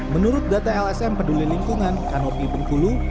menurut data lsm peduli lingkungan kanopi bengkulu